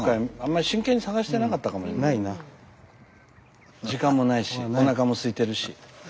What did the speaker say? スタジオ時間もないしおなかもすいてるし。